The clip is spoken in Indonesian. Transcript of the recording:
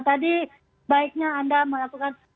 tadi baiknya anda melakukan